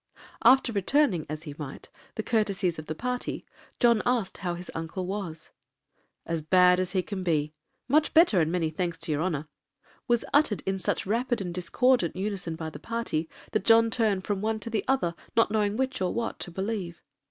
After returning, 'as he might,' the courtesies of the party, John asked how his uncle was. 'As bad as he can be;'—'Much better, and many thanks to your honor,' was uttered in such rapid and discordant unison by the party, that John turned from one to the other, not knowing which or what to believe.